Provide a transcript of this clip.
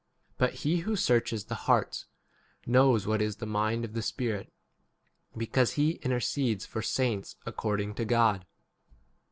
27 But he who searches the hearts knows what [is] the mind of the Spirit, because he intercedes for 28 saints according to God.